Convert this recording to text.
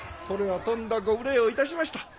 これはとんだご無礼をいたしました。